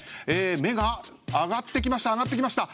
芽が上がってきました上がってきました。